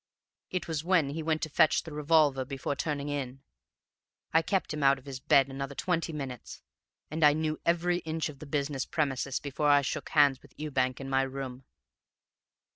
It was when he went to fetch the revolver before turning in. I kept him out of his bed another twenty minutes, and I knew every inch of the business premises before I shook hands with Ewbank in my room.